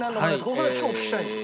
ここだけお聞きしたいんです。